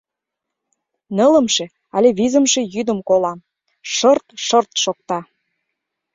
Нылымше але визымше йӱдым колам: шырт-шырт шокта.